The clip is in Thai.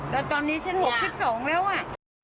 แต่ตอนนี้ฉัน๖พิษ๒แล้วอ่ะ